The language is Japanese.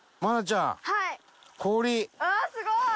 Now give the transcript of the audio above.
あっすごい！